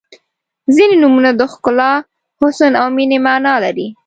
• ځینې نومونه د ښکلا، حسن او مینې معنا لري.